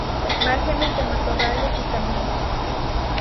Márgenes de matorrales y caminos.